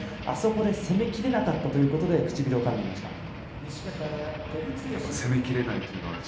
あそこで攻めきれなかったということで、唇をかんでいました。